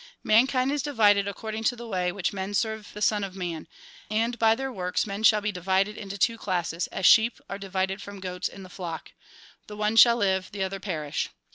" Mankind is divided according to the way in which men serve the Son of Man. And by their works men shall be divided into two classes, as sheep are divided from goats in the flock The one shall live, the other perish.